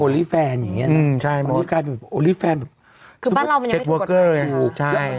โอลิแฟนอย่างเงี้ยอืมใช่โอลิแฟนคือบ้านเรามันยังไม่ถูกกดไกล